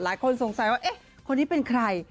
หลายคนสมมุติว่าคนที่เป็นใคร